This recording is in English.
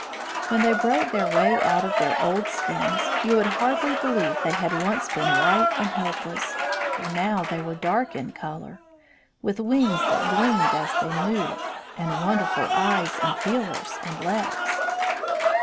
When they broke their way out of their old skins you would hardly believe they had once been white and helpless, for now they were dark in colour, with wings that gleamed as they moved, and wonderful eyes and feelers and legs.